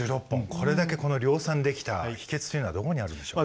これだけ量産できた秘けつというのはどこにあるんでしょう？